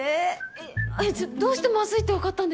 えっちょどうしてまずいってわかったんですか？